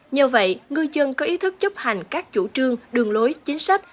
nhờ vậy ngư dân có ý thức chấp hành các chủ trương đường lối chính sách